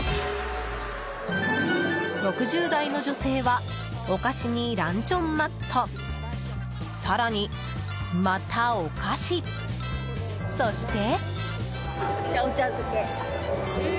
６０代の女性はお菓子にランチョンマット更にまたお菓子、そして。